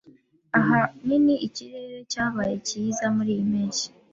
Ahanini ikirere cyabaye cyiza muriyi mpeshyi.